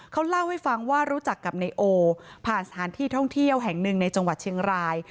เขาเล่าให้ฟังว่ารู้จักกับนายโอผ่านสถานที่ท่องเที่ยวแห่งหนึ่งในจังหวัดเชียงราย